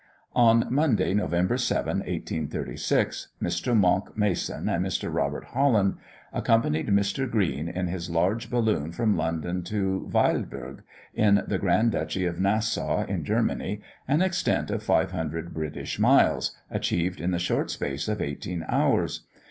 On Monday, November 7, 1836, Mr. Monck Mason and Mr. Robert Holland accompanied Mr. Green in his large balloon from London to Weilburg, in the grand duchy of Nassau, in Germany, an extent of 500 British miles, achieved in the short space of eighteen hours.